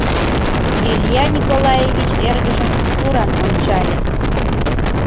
— Илья Николаевич эргыжым туран ончале.